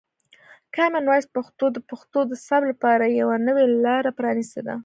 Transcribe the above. کامن وایس پښتو د پښتو د ثبت لپاره یوه نوې لاره پرانیستې ده.